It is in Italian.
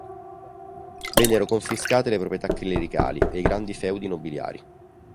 Vennero confiscate le proprietà clericali e i grandi feudi nobiliari.